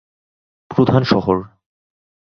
প্রধান শহর।